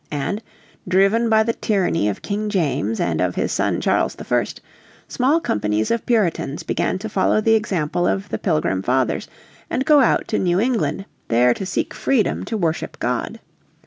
And, driven by the tyranny of King James and of his son Charles I, small companies of Puritans began to follow the example of the Pilgrim Fathers and go out to New England, there to seek freedom to worship God.